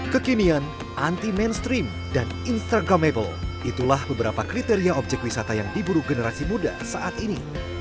kekinian anti mainstream dan instagramable itulah beberapa kriteria objek wisata yang diburu generasi muda saat ini